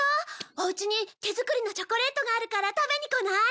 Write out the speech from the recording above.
お家に手作りのチョコレートがあるから食べに来ない？